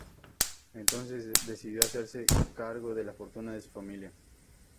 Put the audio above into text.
Entonces, decidió hacerse cargo de la fortuna de su familia.